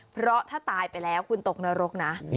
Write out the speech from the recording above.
เพราะถ้าตายไปแล้วคุณตกนรกนะ